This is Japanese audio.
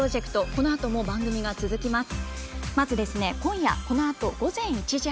このあとも番組が続きます。